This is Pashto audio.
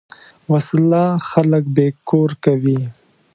وسله خلک بېکور کوي